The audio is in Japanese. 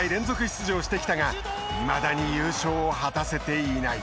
出場してきたがいまだに優勝を果たせていない。